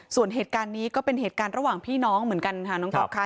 ส่วนเหตุการณ์นี้ก็เป็นเหตุการณ์ระหว่างพี่น้องเหมือนกันค่ะน้องก๊อฟค่ะ